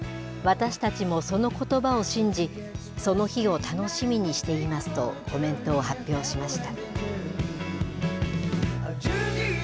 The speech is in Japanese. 私たちもそのことばを信じ、その日を楽しみにしていますとコメントを発表しました。